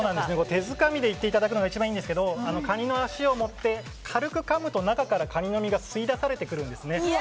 手づかみでいっていただくのが一番いいんですけどカニの脚を持って軽くかむと中から、カニの身が吸い出されてくるんですね。